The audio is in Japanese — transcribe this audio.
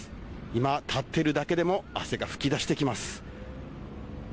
今、立っているだけでも汗が噴き出してきます。